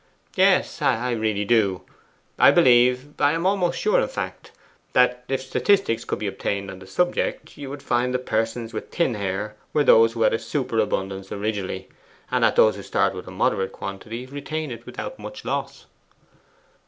'Yes, I really do. I believe am almost sure, in fact that if statistics could be obtained on the subject, you would find the persons with thin hair were those who had a superabundance originally, and that those who start with a moderate quantity retain it without much loss.